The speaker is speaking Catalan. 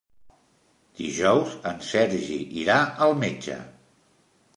Dijous en Sergi irà al metge.